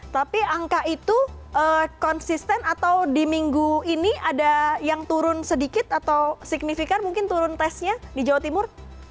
tapi angka itu konsisten atau di minggu ini ada yang turun sedikit atau signifikan mungkin turun tesnya di jawa timur